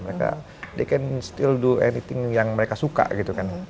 mereka the can still do anything yang mereka suka gitu kan